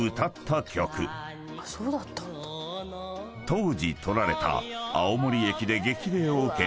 ［当時撮られた青森駅で激励を受け］